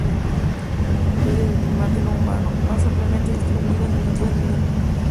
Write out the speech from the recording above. Es la especie de primate no humano más ampliamente distribuida en el Neotrópico.